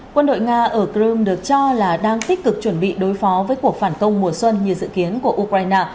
quân đội nga ở crimea được cho là đang tích cực chuẩn bị đối phó với cuộc phản công mùa xuân như dự kiến của ukraine